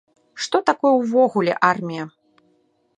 Што такое ўвогуле армія?